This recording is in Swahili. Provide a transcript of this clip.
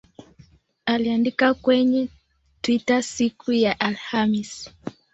aliandika kwenye Twitter siku ya Alhamis